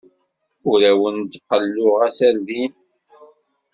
Ur awen-d-qelluɣ aserdin.